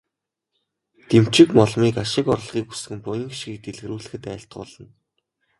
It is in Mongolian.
Дэмчигмоломыг ашиг орлогыг өсгөн, буян хишгийг дэлгэрүүлэхэд айлтгуулна.